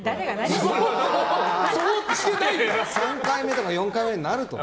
３回目とか４回目になるとね。